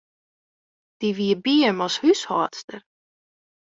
Dy wie by him as húshâldster.